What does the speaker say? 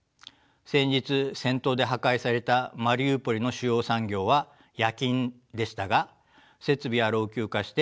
先日戦闘で破壊されたマリウポリの主要産業は冶金でしたが設備は老朽化して大気汚染もひどかったです。